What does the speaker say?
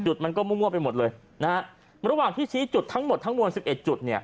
มันก็มั่วไปหมดเลยนะฮะระหว่างที่ชี้จุดทั้งหมดทั้งมวลสิบเอ็ดจุดเนี่ย